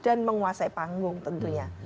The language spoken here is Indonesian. dan menguasai panggung tentunya